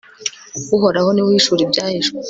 uhoraho niwe uhishura ibyahishwe